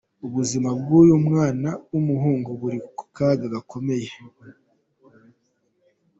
Ubuzima bw'uyu mwana w'umuhungu buri mu kaga gakomeye.